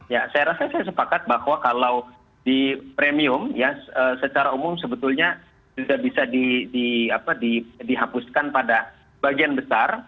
ya saya rasa saya sepakat bahwa kalau di premium ya secara umum sebetulnya sudah bisa dihapuskan pada bagian besar